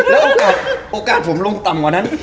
แล้วโอกาสผมลงต่ำกว่านั้น